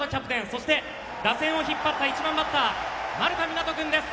そして、打線を引っ張った１番バッター丸田湊斗君です。